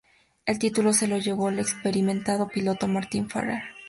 El título se lo llevó el experimentado piloto, Martín Ferrer.